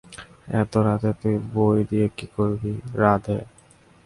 এতো রাতে তুই বই দিয়ে কি করবি, রাধে?